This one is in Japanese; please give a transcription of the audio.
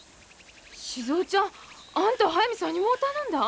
静尾ちゃんあんた速水さんにもう頼んだん？